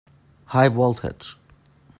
High voltage!